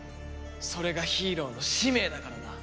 それがヒーローの使命だからな。